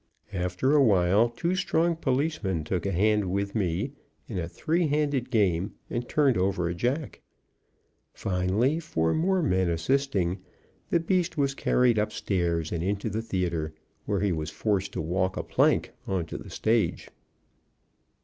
After a while two strong policemen took a hand with me in a three handed game, and turned over a jack. Finally, four more men assisting, the beast was carried upstairs and into the theatre, where he was forced to walk a plank on to the stage.